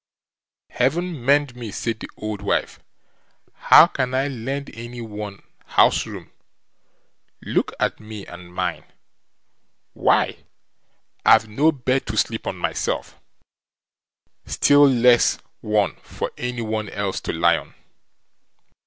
"Heaven mend me!" said the old wife, "how can I lend any one house room? look at me and mine, why, I've no bed to sleep on myself, still less one for any one else to lie on."